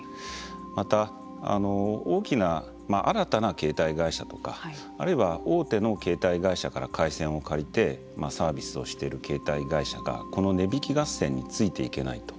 また大きな新たな携帯会社とかあるいは大手の携帯会社から回線を借りてサービスをしている携帯会社がこの値引き合戦についていけないと。